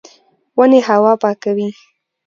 ونې هوا پاکوي